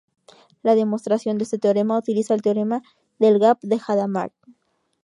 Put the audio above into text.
La demostración de este teorema utiliza el teorema del gap de Hadamard.